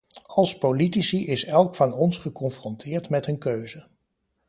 Als politici is elk van ons geconfronteerd met een keuze.